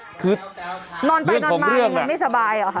อ๋อแล้วโอ้๐๓๓คือนอนไปนอนมาเอาไม่สบายหรอครับ